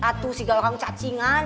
atuh si galang cacingan